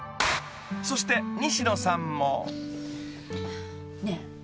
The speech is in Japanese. ［そして西野さんも］うん。